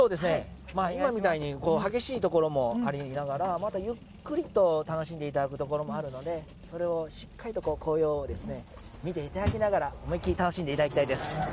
今みたいに激しいところもありながらまたゆっくりと楽しんでいただくところもあるのでそれをしっかりと紅葉を見ていただきながら思い切り楽しんでいただきたいです。